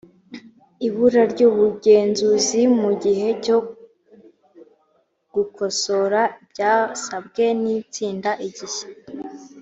ibura ry ubugenzuzi mu gihe cyo gukosora ibyasabwe n itsinda igihe